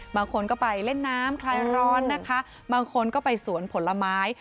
บางคนก็ไปเล่นน้ำคลายร้อนนะคะบางคนก็ไปสวนผลไม้